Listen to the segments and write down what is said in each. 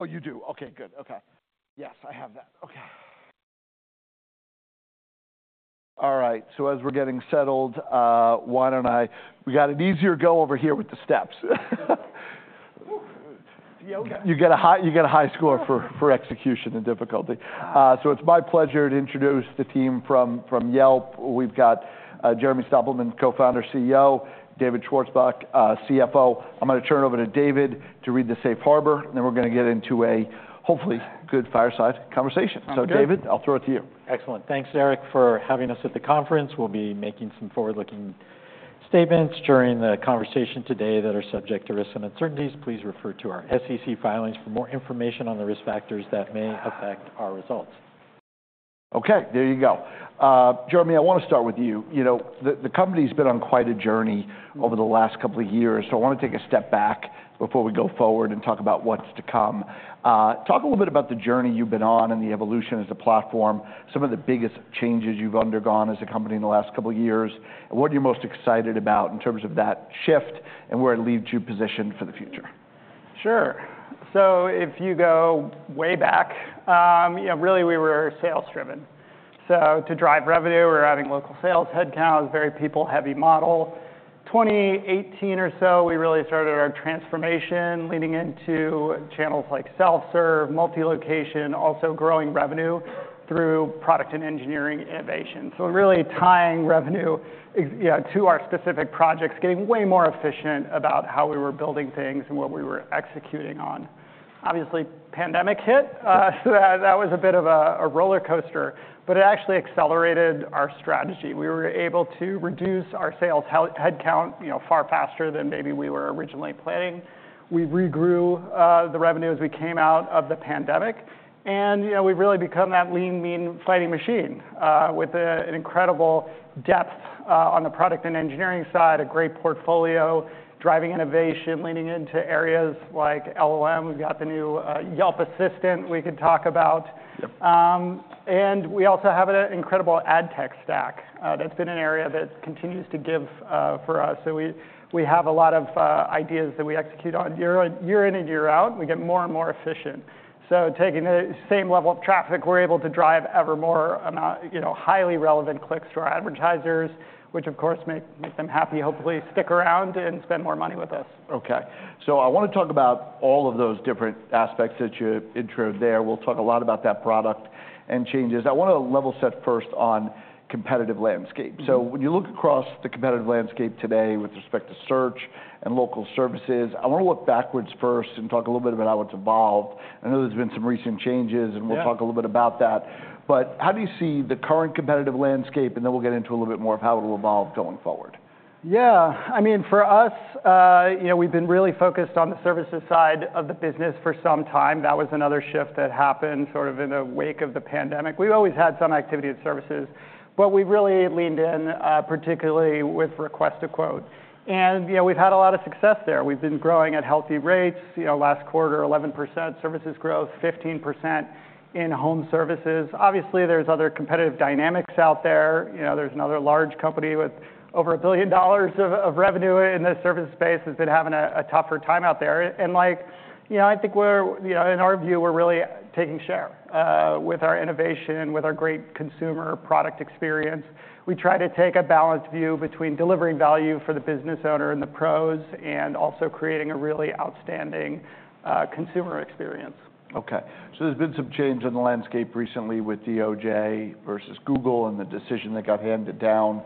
Oh, you do? Okay, good. Okay. Yes, I have that. Okay. All right, so as we're getting settled, why don't I, we got an easier go over here with the steps. Whoo! Yoga. You get a high score for execution and difficulty. Ah. So it's my pleasure to introduce the team from Yelp. We've got Jeremy Stoppelman, Co-founder, CEO, David Schwarzbach, CFO. I'm gonna turn it over to David to read the safe harbor, and then we're gonna get into a hopefully good fireside conversation. Sounds good. So David, I'll throw it to you. Excellent. Thanks, Eric, for having us at the conference. We'll be making some forward-looking statements during the conversation today that are subject to risks and uncertainties. Please refer to our SEC filings for more information on the risk factors that may affect our results. Okay, there you go. Jeremy, I want to start with you. You know, the company's been on quite a journey over the last couple of years, so I want to take a step back before we go forward and talk about what's to come. Talk a little bit about the journey you've been on and the evolution as a platform, some of the biggest changes you've undergone as a company in the last couple of years, and what you're most excited about in terms of that shift, and where it leaves you positioned for the future. Sure. So if you go way back, you know, really we were sales driven. So to drive revenue, we were adding local sales headcount. It was a very people-heavy model. 2018 or so, we really started our transformation, leaning into channels like self-serve, multi-location, also growing revenue through product and engineering innovation. So really tying revenue you know, to our specific projects, getting way more efficient about how we were building things and what we were executing on. Obviously, pandemic hit, so that was a bit of a roller coaster, but it actually accelerated our strategy. We were able to reduce our sales headcount, you know, far faster than maybe we were originally planning. We regrew the revenue as we came out of the pandemic, and, you know, we've really become that lean, mean, fighting machine with an incredible depth on the product and engineering side, a great portfolio, driving innovation, leaning into areas like LLM. We've got the new Yelp Assistant we could talk about. Yep. And we also have an incredible Ad Tech stack. That's been an area that continues to give for us, so we have a lot of ideas that we execute on year in and year out, and we get more and more efficient, so taking the same level of traffic, we're able to drive ever more, you know, highly relevant clicks for our advertisers, which of course make them happy, hopefully stick around and spend more money with us. Okay. So I want to talk about all of those different aspects that you introed there. We'll talk a lot about that product and changes. I want to level set first on competitive landscape. Mm-hmm. So when you look across the competitive landscape today with respect to search and local services, I want to look backwards first and talk a little bit about how it's evolved. I know there's been some recent changes- Yeah.... and we'll talk a little bit about that, but how do you see the current competitive landscape? And then we'll get into a little bit more of how it'll evolve going forward. Yeah. I mean, for us, you know, we've been really focused on the services side of the business for some time. That was another shift that happened sort of in the wake of the pandemic. We've always had some activity in services, but we've really leaned in, particularly with Request a Quote. And, you know, we've had a lot of success there. We've been growing at healthy rates. You know, last quarter, 11% services growth, 15% in home services. Obviously, there's other competitive dynamics out there. You know, there's another large company with over $1 billion of revenue in this service space that's been having a tougher time out there. And like, you know, I think we're... You know, in our view, we're really taking share, with our innovation, with our great consumer product experience. We try to take a balanced view between delivering value for the business owner and the pros, and also creating a really outstanding consumer experience. Okay, so there's been some change in the landscape recently with DOJ versus Google and the decision that got handed down.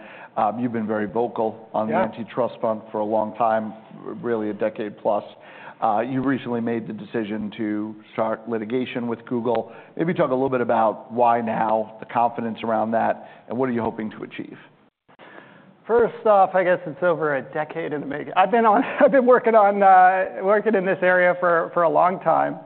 You've been very vocal- Yeah.... on the antitrust front for a long time, really a decade plus. You recently made the decision to start litigation with Google. Maybe talk a little bit about why now, the confidence around that, and what are you hoping to achieve? First off, I guess it's over a decade in the making. I've been on, I've been working on working in this area for a long time.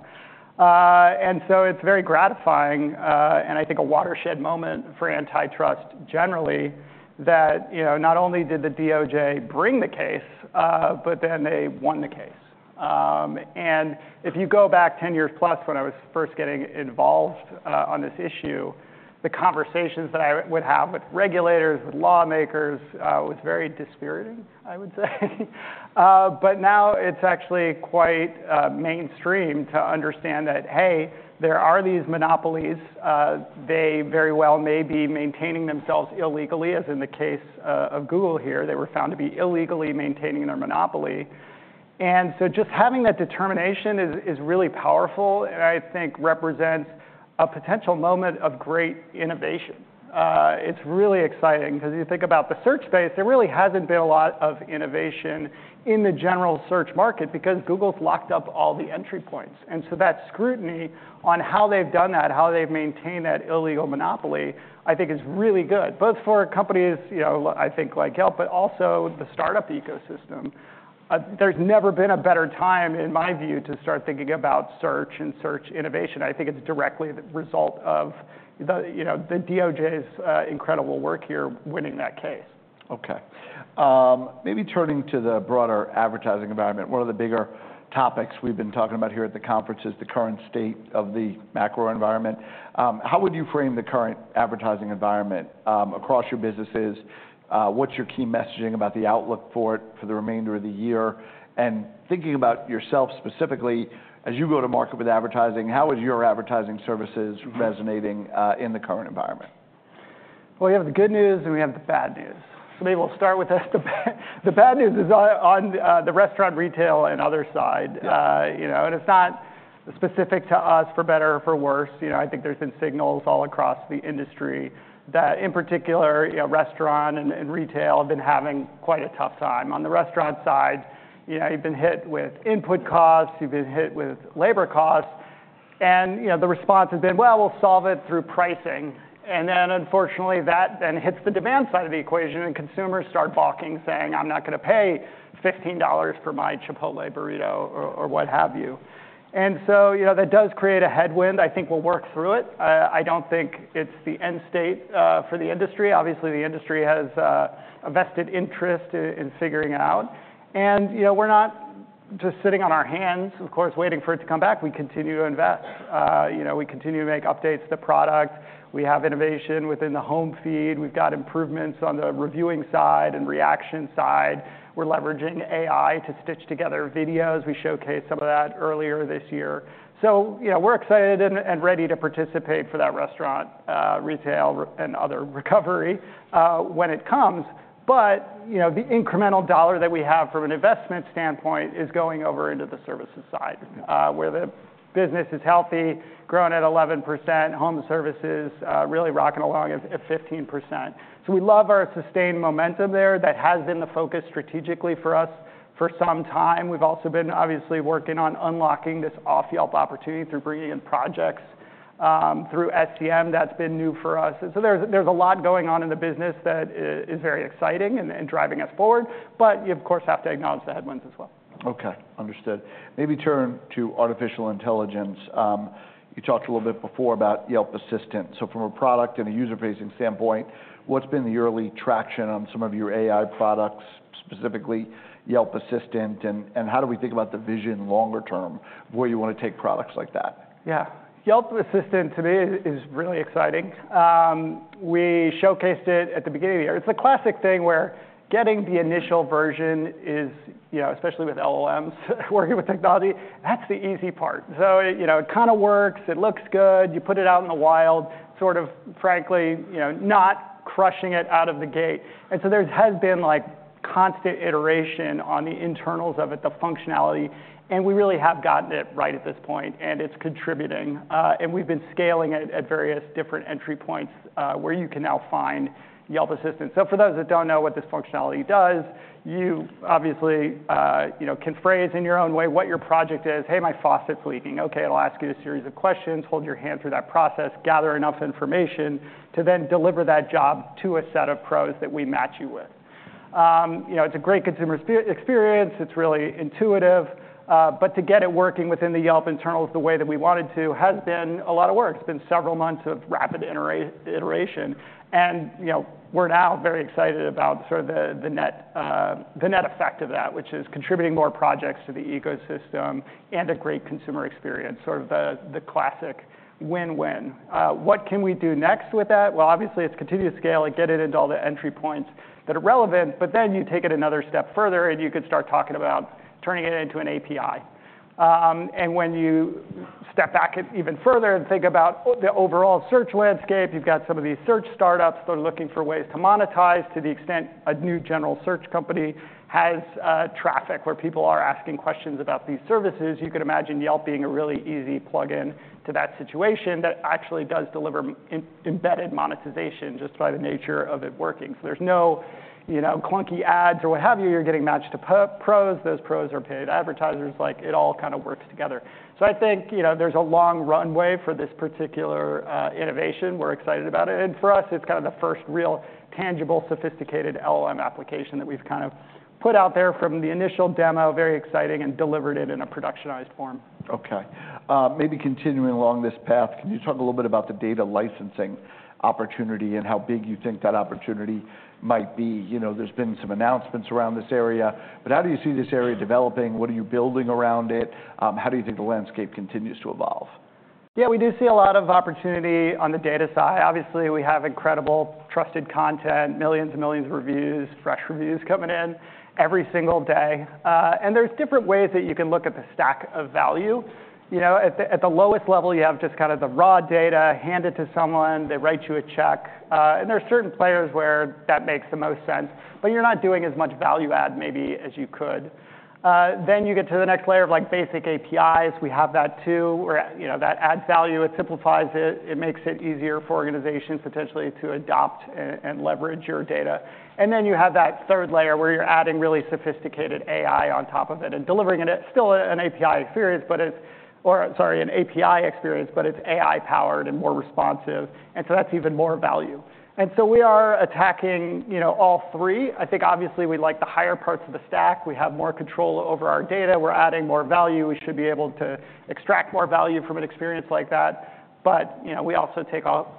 And so it's very gratifying, and I think a watershed moment for antitrust generally, that, you know, not only did the DOJ bring the case, but then they won the case. And if you go back 10 years+, when I was first getting involved on this issue, the conversations that I would have with regulators, with lawmakers was very dispiriting, I would say. But now it's actually quite mainstream to understand that, hey, there are these monopolies. They very well may be maintaining themselves illegally, as in the case of Google here. They were found to be illegally maintaining their monopoly. And so just having that determination is really powerful and I think represents a potential moment of great innovation. It's really exciting because you think about the search space, there really hasn't been a lot of innovation in the general search market because Google's locked up all the entry points. And so that scrutiny on how they've done that, how they've maintained that illegal monopoly, I think is really good, both for companies, you know, I think, like Yelp, but also the startup ecosystem. There's never been a better time, in my view, to start thinking about search and search innovation. I think it's directly the result of the, you know, the DOJ's incredible work here winning that case. Okay. Maybe turning to the broader advertising environment, one of the bigger topics we've been talking about here at the conference is the current state of the macro environment. How would you frame the current advertising environment across your businesses? What's your key messaging about the outlook for it for the remainder of the year? And thinking about yourself specifically, as you go to market with advertising, how is your advertising services resonating in the current environment?... Well, we have the good news, and we have the bad news. So maybe we'll start with the bad news is on the restaurant, retail, and other side. Yeah. You know, and it's not specific to us, for better or for worse. You know, I think there's been signals all across the industry that, in particular, you know, restaurant and retail have been having quite a tough time. On the restaurant side, you know, you've been hit with input costs, you've been hit with labor costs, and, you know, the response has been, "Well, we'll solve it through pricing." And then, unfortunately, that then hits the demand side of the equation, and consumers start balking, saying, "I'm not gonna pay $15 for my Chipotle burrito," or what have you. And so, you know, that does create a headwind. I think we'll work through it. I don't think it's the end state for the industry. Obviously, the industry has a vested interest in figuring it out. You know, we're not just sitting on our hands, of course, waiting for it to come back. We continue to invest. You know, we continue to make updates to the product. We have innovation within the home feed. We've got improvements on the reviewing side and reaction side. We're leveraging AI to stitch together videos. We showcased some of that earlier this year. You know, we're excited and ready to participate for that restaurant, retail, and other recovery when it comes. You know, the incremental dollar that we have from an investment standpoint is going over into the services side where the business is healthy, growing at 11%. Home services really rocking along at 15%. We love our sustained momentum there. That has been the focus strategically for us for some time. We've also been obviously working on unlocking this off-Yelp opportunity through bringing in projects through SEM. That's been new for us. So there's a lot going on in the business that is very exciting and driving us forward, but you, of course, have to acknowledge the headwinds as well. Okay, understood. Maybe turn to artificial intelligence. You talked a little bit before about Yelp Assistant. So from a product and a user-facing standpoint, what's been the early traction on some of your AI products, specifically Yelp Assistant, and, and how do we think about the vision longer term, where you want to take products like that? Yeah. Yelp Assistant, to me, is really exciting. We showcased it at the beginning of the year. It's a classic thing where getting the initial version is, you know, especially with LLMs, working with technology, that's the easy part, so it, you know, it kind of works. It looks good. You put it out in the wild, sort of frankly, you know, not crushing it out of the gate, and so there has been, like, constant iteration on the internals of it, the functionality, and we really have gotten it right at this point, and it's contributing, and we've been scaling it at various different entry points, where you can now find Yelp Assistant, so for those that don't know what this functionality does, you obviously, you know, can phrase in your own way what your project is. Hey, my faucet's leaking." Okay, it'll ask you a series of questions, hold your hand through that process, gather enough information to then deliver that job to a set of pros that we match you with. You know, it's a great consumer experience. It's really intuitive, but to get it working within the Yelp internals the way that we wanted to has been a lot of work. It's been several months of rapid iteration, and, you know, we're now very excited about the net effect of that, which is contributing more projects to the ecosystem and a great consumer experience, the classic win-win. What can we do next with that? Obviously, it's continue to scale and get it into all the entry points that are relevant, but then you take it another step further, and you can start talking about turning it into an API. And when you step back even further and think about the overall search landscape, you've got some of these search startups that are looking for ways to monetize. To the extent a new general search company has traffic where people are asking questions about these services, you could imagine Yelp being a really easy plug-in to that situation that actually does deliver embedded monetization, just by the nature of it working. So there's no, you know, clunky ads or what have you. You're getting matched to pros. Those pros are paid advertisers. Like, it all kind of works together. So I think, you know, there's a long runway for this particular innovation. We're excited about it, and for us, it's kind of the first real, tangible, sophisticated LLM application that we've kind of put out there from the initial demo, very exciting, and delivered it in a productionized form. Okay. Maybe continuing along this path, can you talk a little bit about the data licensing opportunity and how big you think that opportunity might be? You know, there's been some announcements around this area, but how do you see this area developing? What are you building around it? How do you think the landscape continues to evolve? Yeah, we do see a lot of opportunity on the data side. Obviously, we have incredible, trusted content, millions and millions of reviews, fresh reviews coming in every single day. And there's different ways that you can look at the stack of value. You know, at the lowest level, you have just kind of the raw data, hand it to someone, they write you a check, and there are certain players where that makes the most sense, but you're not doing as much value add maybe as you could. Then you get to the next layer of, like, basic APIs. We have that too, where, you know, that adds value, it simplifies it, it makes it easier for organizations potentially to adopt and leverage your data. And then you have that third layer, where you're adding really sophisticated AI on top of it and delivering it at still an API experience, but it's, or sorry, an API experience, but it's AI-powered and more responsive, and so that's even more value. And so we are attacking, you know, all three. I think, obviously, we like the higher parts of the stack. We have more control over our data. We're adding more value. We should be able to extract more value from an experience like that, but, you know, we also take all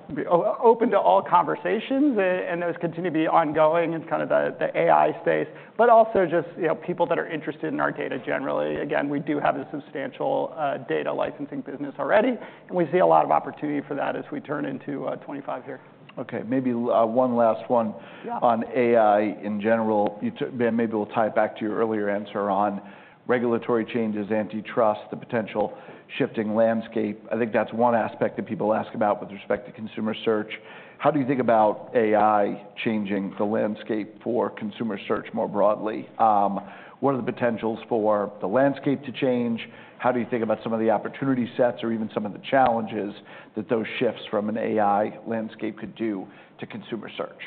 open to all conversations, and those continue to be ongoing in kind of the AI space, but also just, you know, people that are interested in our data generally. Again, we do have a substantial, data licensing business already, and we see a lot of opportunity for that as we turn into 2025 here. Okay, maybe one last one- Yeah.... on AI in general. You then maybe we'll tie it back to your earlier answer on regulatory changes, antitrust, the potential shifting landscape. I think that's one aspect that people ask about with respect to consumer search.... How do you think about AI changing the landscape for consumer search more broadly? What are the potentials for the landscape to change? How do you think about some of the opportunity sets or even some of the challenges that those shifts from an AI landscape could do to consumer search?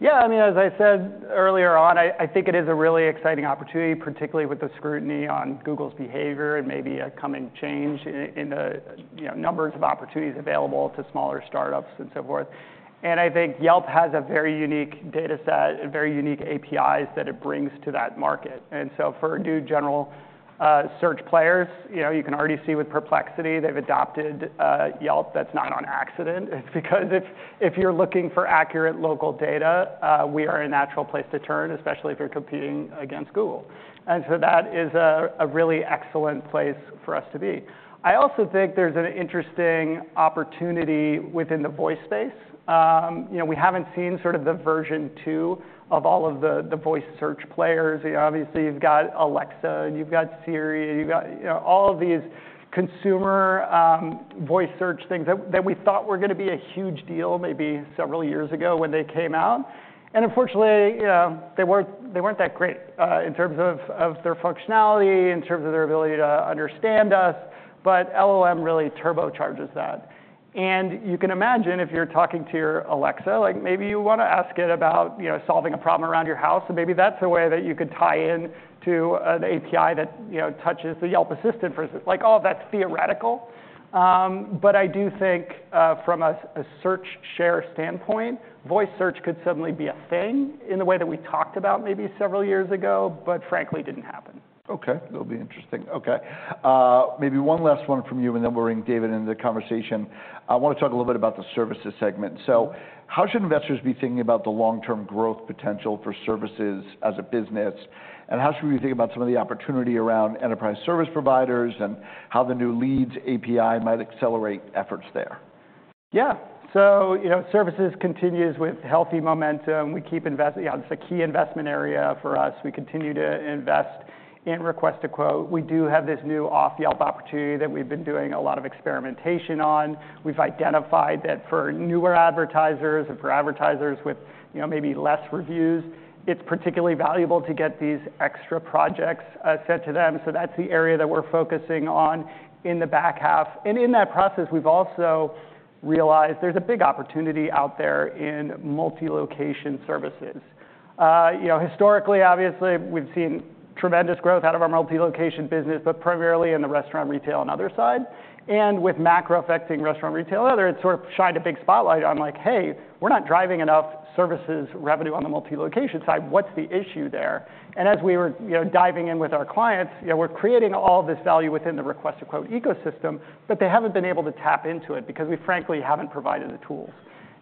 Yeah, I mean, as I said earlier on, I think it is a really exciting opportunity, particularly with the scrutiny on Google's behavior and maybe a coming change in the, you know, numbers of opportunities available to smaller startups and so forth. And I think Yelp has a very unique data set and very unique APIs that it brings to that market. And so for new general search players, you know, you can already see with Perplexity, they've adopted Yelp. That's not on accident. It's because if you're looking for accurate local data, we are a natural place to turn, especially if you're competing against Google. And so that is a really excellent place for us to be. I also think there's an interesting opportunity within the voice space. You know, we haven't seen sort of the version two of all of the voice search players. Obviously, you've got Alexa, and you've got Siri, and you've got, you know, all of these consumer voice search things that we thought were gonna be a huge deal maybe several years ago when they came out. And unfortunately, you know, they weren't that great in terms of their functionality, in terms of their ability to understand us, but LLM really turbocharges that. And you can imagine if you're talking to your Alexa, like, maybe you want to ask it about, you know, solving a problem around your house, and maybe that's a way that you could tie in to the API that, you know, touches the Yelp Assistant, for instance. Like, all of that's theoretical, but I do think, from a search share standpoint, voice search could suddenly be a thing in the way that we talked about maybe several years ago, but frankly, didn't happen. Okay. That'll be interesting. Okay. Maybe one last one from you, and then we'll bring David into the conversation. I want to talk a little bit about the services segment. So how should investors be thinking about the long-term growth potential for services as a business? And how should we think about some of the opportunity around enterprise service providers and how the new Leads API might accelerate efforts there? Yeah. So, you know, services continues with healthy momentum. We keep investing... Yeah, it's a key investment area for us. We continue to invest in Request a Quote. We do have this new off-Yelp opportunity that we've been doing a lot of experimentation on. We've identified that for newer advertisers and for advertisers with, you know, maybe less reviews, it's particularly valuable to get these extra projects, sent to them, so that's the area that we're focusing on in the back half. In that process, we've also realized there's a big opportunity out there in multi-location services. You know, historically, obviously, we've seen tremendous growth out of our multi-location business, but primarily in the restaurant, retail, and other side. With macro affecting restaurant, retail, and other, it sort of shined a big spotlight on, like, "Hey, we're not driving enough services revenue on the multi-location side. What's the issue there?" And as we were, you know, diving in with our clients, you know, we're creating all this value within the Request a Quote ecosystem, but they haven't been able to tap into it because we frankly haven't provided the tools.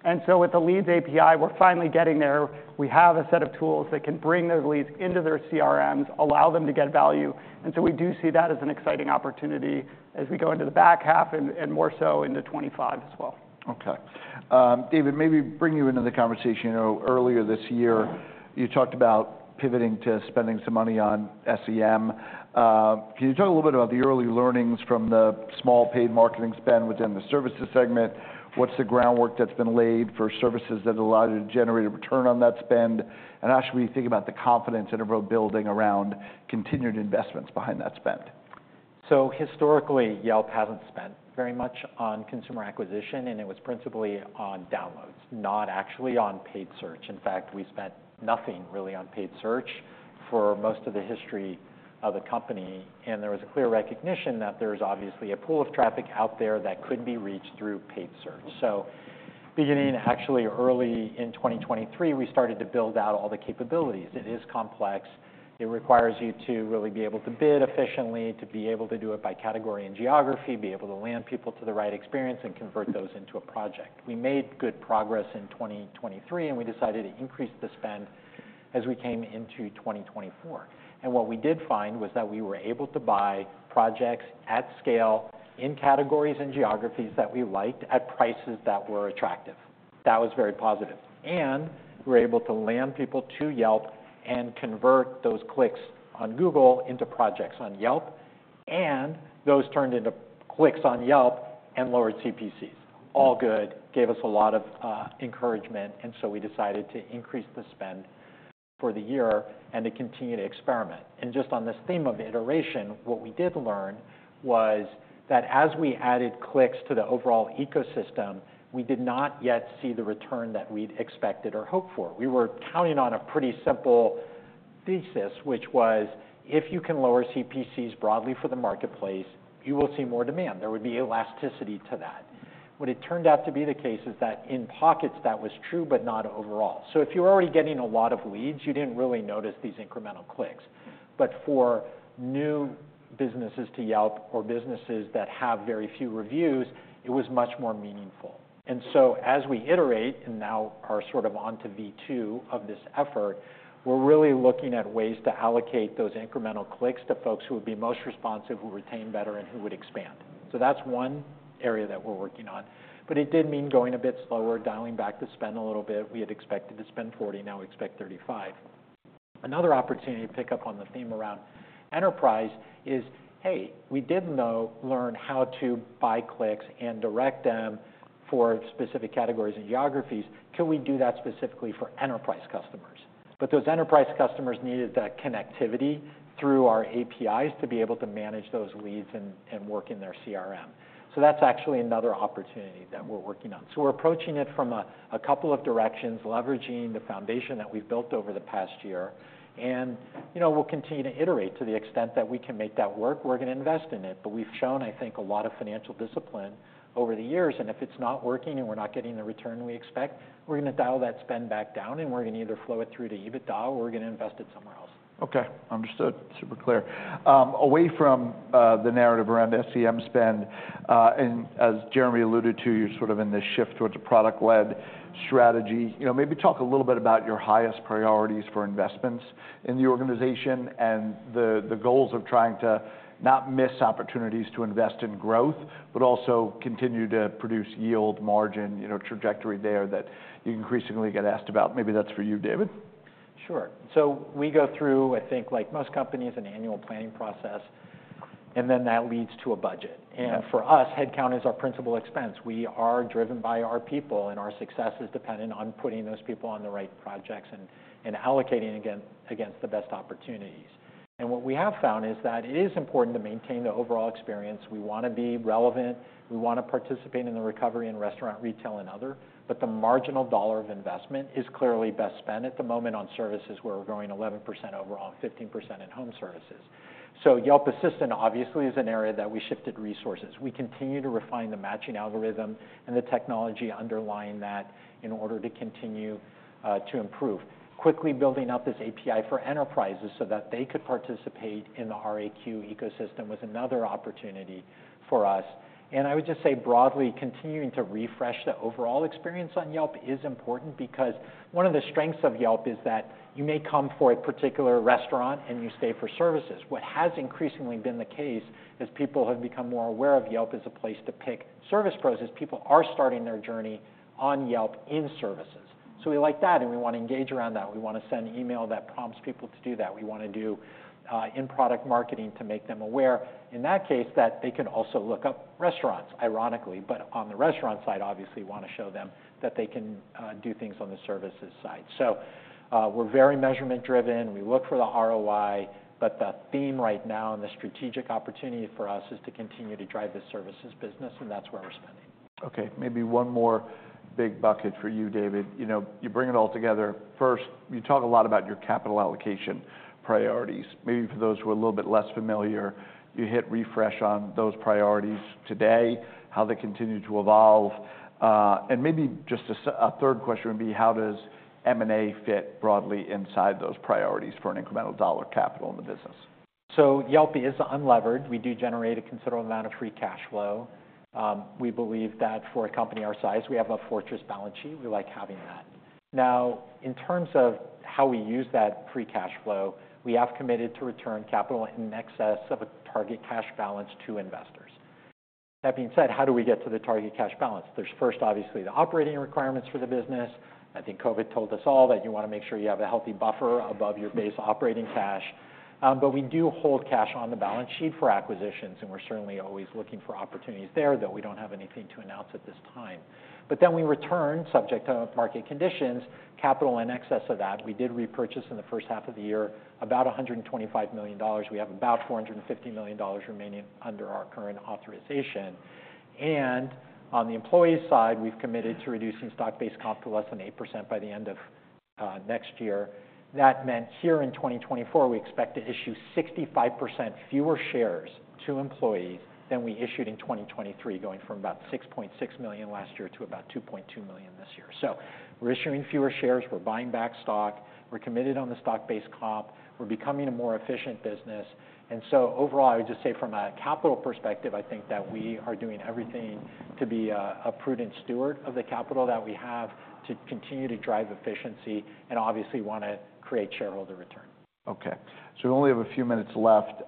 And so with the Leads API, we're finally getting there. We have a set of tools that can bring those leads into their CRMs, allow them to get value, and so we do see that as an exciting opportunity as we go into the back half and, and more so into 2025 as well. Okay. David, maybe bring you into the conversation. You know, earlier this year, you talked about pivoting to spending some money on SEM. Can you talk a little bit about the early learnings from the small paid marketing spend within the services segment? What's the groundwork that's been laid for services that allow you to generate a return on that spend, and how should we think about the confidence interval building around continued investments behind that spend? So historically, Yelp hasn't spent very much on consumer acquisition, and it was principally on downloads, not actually on paid search. In fact, we spent nothing really on paid search for most of the history of the company, and there was a clear recognition that there's obviously a pool of traffic out there that could be reached through paid search. So beginning actually early in 2023, we started to build out all the capabilities. It is complex. It requires you to really be able to bid efficiently, to be able to do it by category and geography, be able to land people to the right experience, and convert those into a project. We made good progress in 2023, and we decided to increase the spend as we came into 2024. And what we did find was that we were able to buy projects at scale in categories and geographies that we liked at prices that were attractive. That was very positive. And we were able to land people to Yelp and convert those clicks on Google into projects on Yelp, and those turned into clicks on Yelp and lower CPCs. All good, gave us a lot of encouragement, and so we decided to increase the spend for the year and to continue to experiment. And just on this theme of iteration, what we did learn was that as we added clicks to the overall ecosystem, we did not yet see the return that we'd expected or hoped for. We were counting on a pretty simple thesis, which was, if you can lower CPCs broadly for the marketplace, you will see more demand. There would be elasticity to that. What it turned out to be the case is that in pockets, that was true, but not overall. So if you're already getting a lot of leads, you didn't really notice these incremental clicks. But for new businesses to Yelp or businesses that have very few reviews, it was much more meaningful. And so as we iterate and now are sort of on to V2 of this effort, we're really looking at ways to allocate those incremental clicks to folks who would be most responsive, who retain better, and who would expand. So that's one area that we're working on, but it did mean going a bit slower, dialing back the spend a little bit. We had expected to spend 40; now we expect 35.... Another opportunity to pick up on the theme around enterprise is, hey, we did, you know, learn how to buy clicks and direct them for specific categories and geographies. Can we do that specifically for enterprise customers? But those enterprise customers needed that connectivity through our APIs to be able to manage those leads and work in their CRM. So that's actually another opportunity that we're working on. So we're approaching it from a couple of directions, leveraging the foundation that we've built over the past year, and, you know, we'll continue to iterate. To the extent that we can make that work, we're gonna invest in it. But we've shown, I think, a lot of financial discipline over the years, and if it's not working and we're not getting the return we expect, we're gonna dial that spend back down, and we're gonna either flow it through to EBITDA or we're gonna invest it somewhere else. Okay, understood. Super clear. Away from the narrative around SEM spend, and as Jeremy alluded to, you're sort of in this shift towards a product-led strategy. You know, maybe talk a little bit about your highest priorities for investments in the organization and the goals of trying to not miss opportunities to invest in growth, but also continue to produce yield, margin, you know, trajectory there that you increasingly get asked about. Maybe that's for you, David? Sure. So we go through, I think, like most companies, an annual planning process, and then that leads to a budget. Yeah. And for us, headcount is our principal expense. We are driven by our people, and our success is dependent on putting those people on the right projects and allocating against the best opportunities. And what we have found is that it is important to maintain the overall experience. We wanna be relevant. We wanna participate in the recovery in restaurant, retail, and other, but the marginal dollar of investment is clearly best spent at the moment on services, where we're growing 11% overall, 15% in home services. So Yelp Assistant obviously is an area that we shifted resources. We continue to refine the matching algorithm and the technology underlying that in order to continue to improve. Quickly building out this API for enterprises so that they could participate in the RAQ ecosystem was another opportunity for us. And I would just say, broadly, continuing to refresh the overall experience on Yelp is important because one of the strengths of Yelp is that you may come for a particular restaurant, and you stay for services. What has increasingly been the case is people have become more aware of Yelp as a place to pick service pros, as people are starting their journey on Yelp in services. So we like that, and we want to engage around that. We want to send email that prompts people to do that. We wanna do in-product marketing to make them aware, in that case, that they can also look up restaurants, ironically. But on the restaurant side, obviously, we wanna show them that they can do things on the services side. So, we're very measurement driven. We look for the ROI, but the theme right now and the strategic opportunity for us is to continue to drive the services business, and that's where we're spending. Okay, maybe one more big bucket for you, David. You know, you bring it all together. First, you talk a lot about your capital allocation priorities. Maybe for those who are a little bit less familiar, you hit refresh on those priorities today, how they continue to evolve, and maybe just a third question would be: How does M&A fit broadly inside those priorities for an incremental dollar capital in the business? So Yelp is unlevered. We do generate a considerable amount of free cash flow. We believe that for a company our size, we have a fortress balance sheet. We like having that. Now, in terms of how we use that free cash flow, we have committed to return capital in excess of a target cash balance to investors. That being said, how do we get to the target cash balance? There's first, obviously, the operating requirements for the business. I think COVID told us all that you wanna make sure you have a healthy buffer above your base operating cash, but we do hold cash on the balance sheet for acquisitions, and we're certainly always looking for opportunities there, though we don't have anything to announce at this time. But then we return, subject to market conditions, capital in excess of that. We did repurchase in the first half of the year about $125 million. We have about $450 million remaining under our current authorization. On the employee side, we've committed to reducing stock-based comp to less than 8% by the end of next year. That meant here in 2024, we expect to issue 65% fewer shares to employees than we issued in 2023, going from about $6.6 million last year to about $2.2 million this year. We're issuing fewer shares. We're buying back stock. We're committed on the stock-based comp. We're becoming a more efficient business. Overall, I would just say from a capital perspective, I think that we are doing everything to be a prudent steward of the capital that we have to continue to drive efficiency and obviously wanna create shareholder return. Okay, so we only have a few minutes left.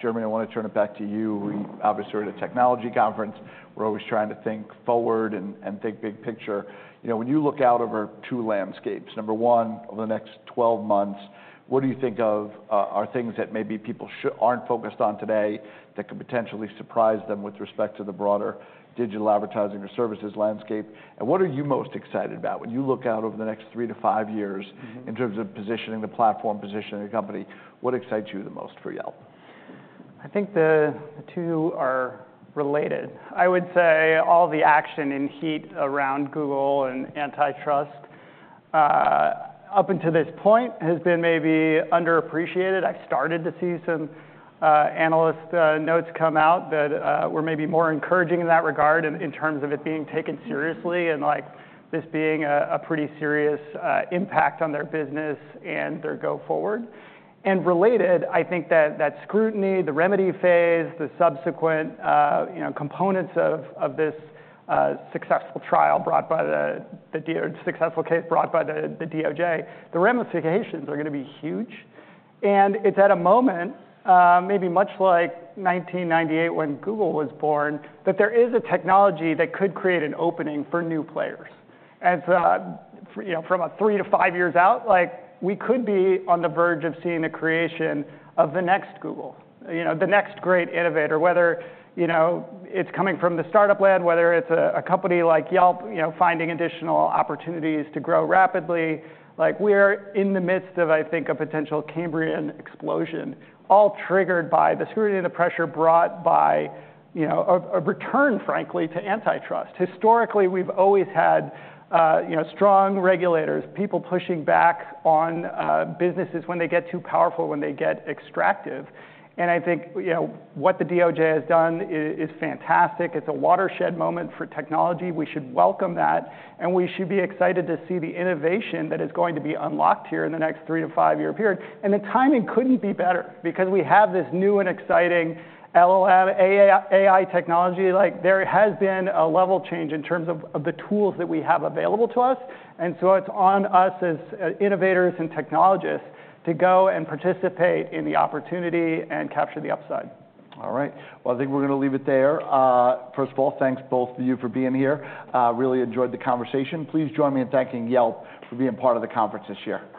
Jeremy, I wanna turn it back to you. We obviously are at a technology conference. We're always trying to think forward and think big picture. You know, when you look out over two landscapes, number one, over the next 12 months, what do you think are things that maybe people aren't focused on today, that could potentially surprise them with respect to the broader digital advertising or services landscape? And what are you most excited about when you look out over the next three to five years? Mm-hmm.... in terms of positioning the platform, positioning the company, what excites you the most for Yelp? I think the two are related. I would say all the action and heat around Google and antitrust up until this point has been maybe underappreciated. I've started to see some analyst notes come out that were maybe more encouraging in that regard in terms of it being taken seriously and, like, this being a pretty serious impact on their business and their go-forward. Related, I think that scrutiny, the remedy phase, the subsequent you know components of this successful case brought by the DOJ, the ramifications are gonna be huge. It's at a moment maybe much like 1998, when Google was born, that there is a technology that could create an opening for new players. And so, you know, from about three to five years out, like, we could be on the verge of seeing the creation of the next Google, you know, the next great innovator, whether, you know, it's coming from the startup land, whether it's a company like Yelp, you know, finding additional opportunities to grow rapidly. Like, we're in the midst of, I think, a potential Cambrian explosion, all triggered by the scrutiny and the pressure brought by, you know, a return, frankly, to antitrust. Historically, we've always had, you know, strong regulators, people pushing back on, businesses when they get too powerful, when they get extractive, and I think, you know, what the DOJ has done is fantastic. It's a watershed moment for technology. We should welcome that, and we should be excited to see the innovation that is going to be unlocked here in the next three-to-five-year period. The timing couldn't be better because we have this new and exciting LLM, AI technology. Like, there has been a level change in terms of the tools that we have available to us, and so it's on us as innovators and technologists to go and participate in the opportunity and capture the upside. All right. Well, I think we're gonna leave it there. First of all, thanks both of you for being here. Really enjoyed the conversation. Please join me in thanking Yelp for being part of the conference this year.